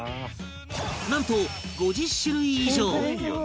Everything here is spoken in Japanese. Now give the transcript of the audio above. なんと５０種類以上！